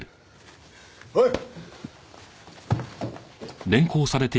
おい！